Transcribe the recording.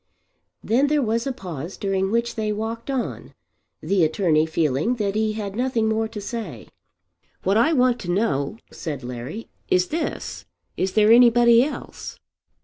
Then there was a pause during which they walked on, the attorney feeling that he had nothing more to say. "What I want to know," said Larry, "is this. Is there anybody else?"